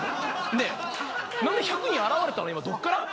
ねえ何で１００人現れたの今どこから？